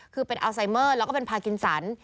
คือเป็นอัลไซเมอร์แล้วก็เป็นพากินสัน